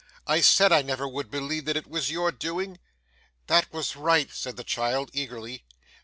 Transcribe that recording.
I said I never would believe that it was your doing.' 'That was right!' said the child eagerly.